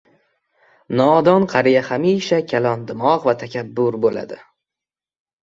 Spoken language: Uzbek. Nodon qariya hamisha kalon-dimog‘ va takabbur bo‘ladi.